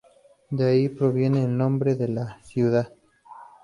De ahí provendría el nombre de la ciudad.